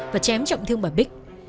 và chém trọng thương bà bích